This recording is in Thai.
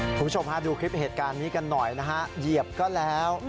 คุณผู้ชมฮะดูคลิปเหตุการณ์นี้กันหน่อยนะฮะเหยียบก็แล้ว